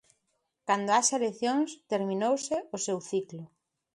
Cando haxa eleccións, terminouse o seu ciclo.